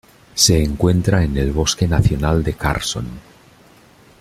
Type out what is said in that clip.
Se encuentra en el Bosque nacional de Carson.